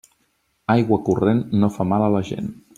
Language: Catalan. Aigua corrent no fa mal a la gent.